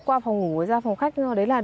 qua phòng ngủ ra phòng khách